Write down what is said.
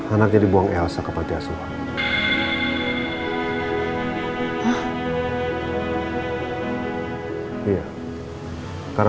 anaknya dibuang elsa ke patiasua